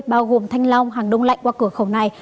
bao gồm thanh long hàng đông lạnh qua cửa khẩu này